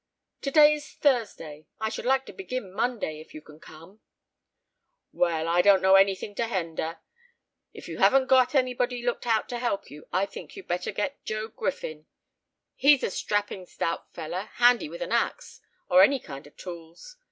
"To day is Thursday. I should like to begin Monday, if you can come." "Well, I don't know anything to hender; if you haven't got anybody looked out to help you, I think you'd better get Joe Griffin; he's a strapping stout feller, handy with an axe, or any kind of tools.